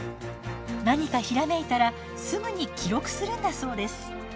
何かひらめいたらすぐに記録するんだそうです。